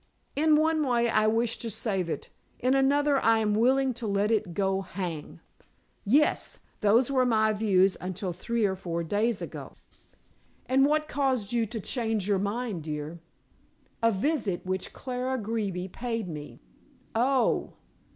"In one way I wish to save it, in another I am willing to let it go hang." "Yes. Those were my views until three or four days ago." "And what caused you to change your mind, dear?" "A visit which Clara Greeby paid me." "Oh."